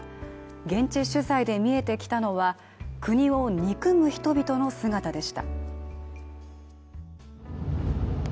現地取材で見えてきたのは国を憎む人々の姿でした。